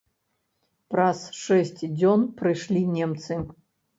Праз шэсць дзён прыйшлі немцы.